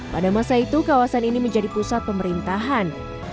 pada masa itu kawasan ini menjadi pusat pemerintahan